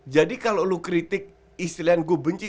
jadi kalo lu kritik istilahnya gue benci